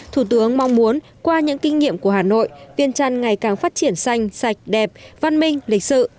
thủ tướng mong muốn qua những kinh nghiệm của hà nội viên trăn ngày càng phát triển xanh sạch đẹp văn minh lịch sự